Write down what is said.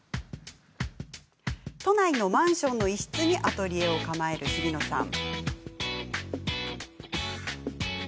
都内のマンションの一室にアトリエを構える、ひびのさん。